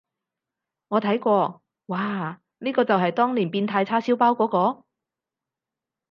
我睇過，嘩，呢個就係當年變態叉燒包嗰個？